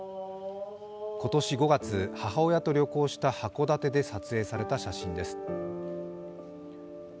今年５月母親と旅行した函館で撮影された写真です。